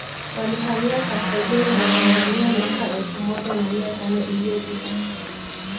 walihamia Kaskazini mwa Tanzania miaka elfu moja na mia tano iliyopita